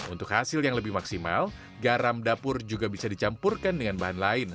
untuk hasil yang lebih maksimal garam dapur juga bisa dicampurkan dengan bahan lain